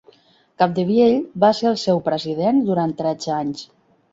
Capdevielle va ser el seu president durant tretze anys.